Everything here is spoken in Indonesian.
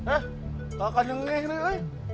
eh kakak nyengih nih